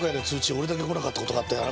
俺だけ来なかった事があってあれ